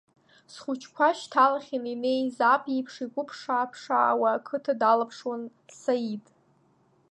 Зхәыҷқәа шьҭалахьаны инеиз аб иеиԥш игәы ԥшаа-ԥшаауа иқыҭа далаԥшуан Саид.